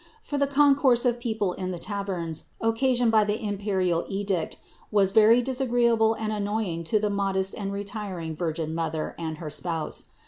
For the concourse of people in the taverns, occasioned by the imperial edict, was very disagreeable and annoying to the modest and retiring Virgin Mother and her spouse.